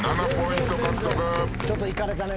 ちょっといかれたね